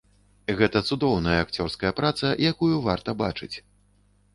Гэта цудоўная акцёрская праца, якую варта бачыць.